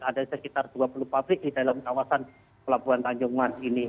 ada sekitar dua puluh pabrik di dalam kawasan pelabuhan tanjung mas ini